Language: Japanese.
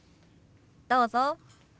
どうぞ。